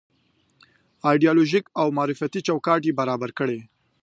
ایدیالوژيک او معرفتي چوکاټ یې برابر کړی.